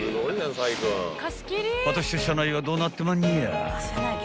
［果たして車内はどうなってまんにゃ？］